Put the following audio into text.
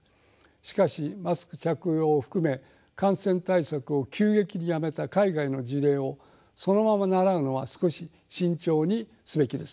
しかしマスク着用を含め感染対策を急激にやめた海外の事例をそのまま倣うのは少し慎重にすべきです。